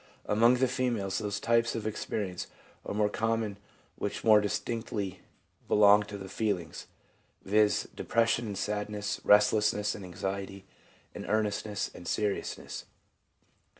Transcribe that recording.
Among the females those types of experience are more common which more distinctly belong to the feelings, viz., depression and sadness, restlessness and anxiety, and earnestness and serious ness.